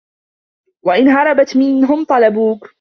وَإِنْ هَرَبْتَ مِنْهُمْ طَلَبُوكَ